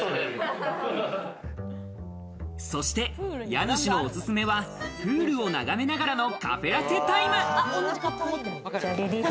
そして家主のおすすめはプールを眺めながらのカフェラテタイム。